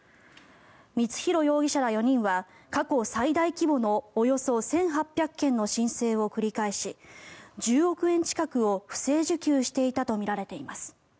光弘容疑者ら４人は過去最大規模のおよそ１８００件の申請を繰り返し１０億円近くを不正受給していたとみられています。